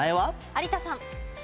有田さん。